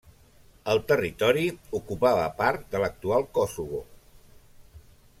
El territori ocupava part de l'actual Kosovo.